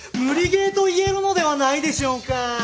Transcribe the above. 無理ゲーと言えるのではないでしょうか！